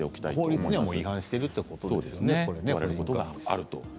法律には違反しているということですね。